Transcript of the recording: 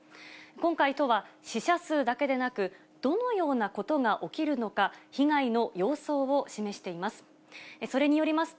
今回、都は死者数だけでなく、どのようなことが起きるのか、被害の様相を示しています。